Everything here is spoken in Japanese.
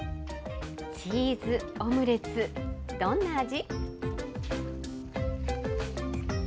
チーズオムレツ、どんな味？